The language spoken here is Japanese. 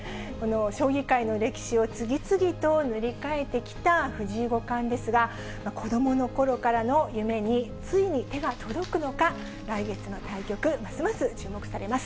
将棋界の歴史を次々と塗り替えてきた藤井五冠ですが、子どものころからの夢に、ついに手が届くのか、来月の対局、ますます注目されます。